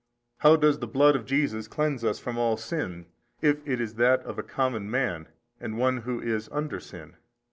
how does the Blood of Jesus cleanse us from all sin, if it is that of a common man and one who is under sin?